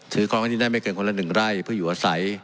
ถือคล้องอันนี้ได้ไม่เกินคนละ๑ไร่เพื่ออยู่อาศัย